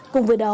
cùng với đó